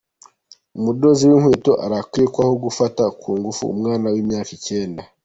Umudozi w’inkweto arakekwaho gufata ku ngufu umwana w’imyaka icyenda